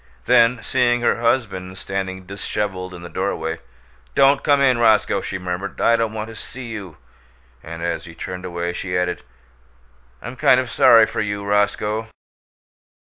Then, seeing her husband standing disheveled in the doorway, "Don't come in, Roscoe," she murmured. "I don't want to see you." And as he turned away she added, "I'm kind of sorry for you, Roscoe."